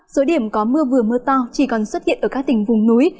số điểm có mưa vừa mưa to chỉ còn xuất hiện ở các tỉnh vùng núi